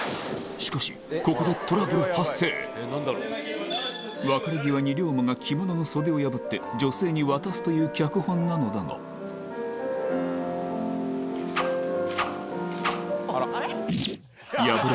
しかしここで別れ際に龍馬が着物の袖を破って女性に渡すという脚本なのだがあれ？